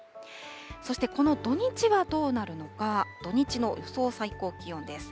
そしてこの土日はどうなるのか、土日の予想最高気温です。